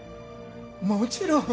もちろん。